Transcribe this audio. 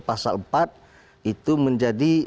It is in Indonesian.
pasal empat itu menjadi